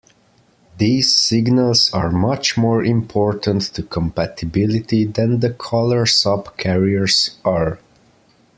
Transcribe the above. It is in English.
These signals are much more important to compatibility than the color sub carriers are.